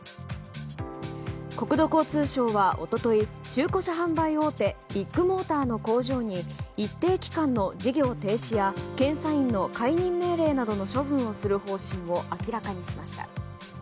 国土交通省は、一昨日中古車販売大手ビッグモーターの工場に一定期間の事業停止や検査員の解任命令などの処分をする方針を明らかにしました。